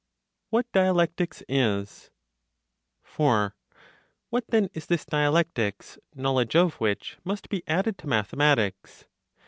WHAT DIALECTICS IS. 4. What then is this dialectics, knowledge of which must be added to mathematics?